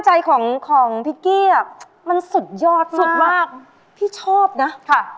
ใจของของพิกกี้อ่ะมันสุดยอดมากสุดมากพี่ชอบนะค่ะ